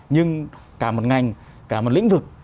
nhưng cả một ngành cả một lĩnh vực